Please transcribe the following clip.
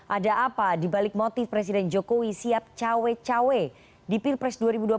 ada apa dibalik motif presiden jokowi siap cawe cawe di pilpres dua ribu dua puluh